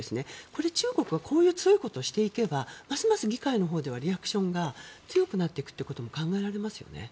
これ、中国はこういう強いことをしていけばますます議会のほうではリアクションが強くなっていくことも考えられますよね。